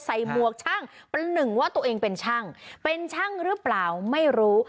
หมวกช่างประหนึ่งว่าตัวเองเป็นช่างเป็นช่างหรือเปล่าไม่รู้